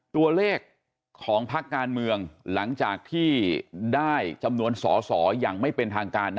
ตัวเลขของพักการเมืองหลังจากที่ได้จำนวนสอสออย่างไม่เป็นทางการ